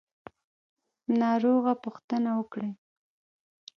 ناروغه پوښتنه وکړئ